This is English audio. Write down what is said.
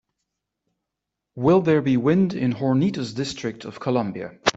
Will there be wind in Hornitos District Of Columbia?